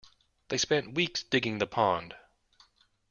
They spent weeks digging the pond.